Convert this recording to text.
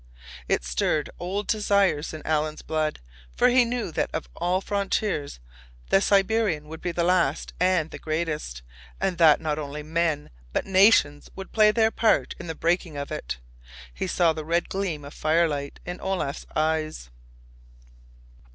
It stirred old desires in Alan's blood, for he knew that of all frontiers the Siberian would be the last and the greatest, and that not only men, but nations, would play their part in the breaking of it. He saw the red gleam of firelight in Olaf's eyes.